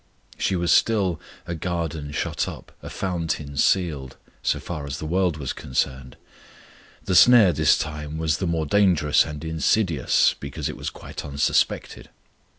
She was still "a garden shut up, a fountain sealed," so far as the world was concerned. The snare this time was the more dangerous and insidious because it was quite unsuspected.